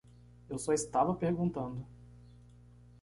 Eu só estava perguntando.